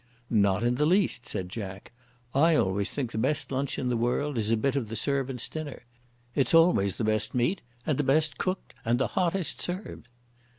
"Not in the least," said Jack. "I always think the best lunch in the world is a bit of the servants' dinner. It's always the best meat, and the best cooked and the hottest served."